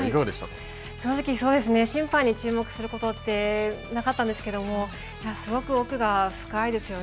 正直審判に注目することってなかったんですけども、すごく奥が深いですよね。